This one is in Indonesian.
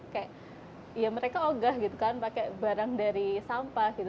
kayak ya mereka ogah gitu kan pakai barang dari sampah gitu